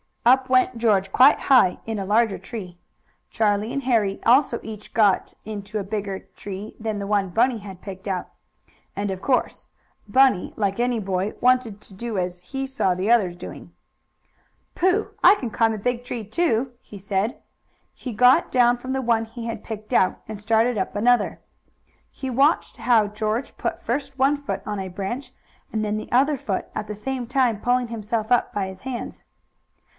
Up went George, quite high, in a larger tree. Charlie and Harry also each got into a bigger tree than the one Bunny had picked out. And of course Bunny, like any boy, wanted to do as he saw the others doing. "Pooh! I can climb a big tree, too," he said. He got down from the one he had picked out, and started up another. He watched how George put first one foot on a branch and then the other foot, at the same time pulling himself up by his hands.